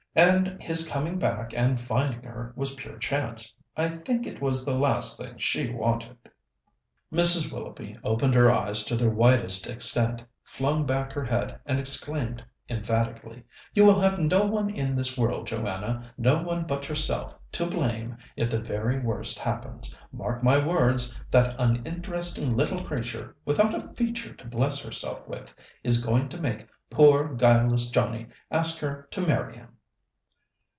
And his coming back and finding her was pure chance. I think it was the last thing she wanted." Mrs. Willoughby opened her eyes to their widest extent, flung back her head, and exclaimed emphatically: "You will have no one in this world, Joanna, no one but yourself, to blame if the very worst happens. Mark my words, that uninteresting little creature, without a feature to bless herself with, is going to make poor guileless Johnnie ask her to marry him."